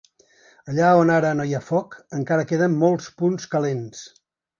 Allà on ara no hi ha foc, encara queden molts punts calents.